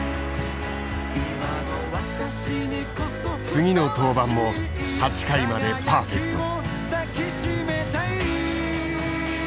次の登板も８回までパーフェクト。